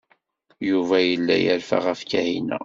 Yuba yella yerfa ɣef Kahina.